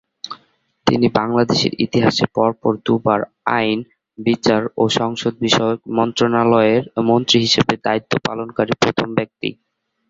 তিনি বাংলাদেশের ইতিহাসে পর পর দুবার আইন, বিচার ও সংসদ বিষয়ক মন্ত্রণালয়ের মন্ত্রী হিসেবে দায়িত্ব পালনকারী প্রথম ব্যক্তি।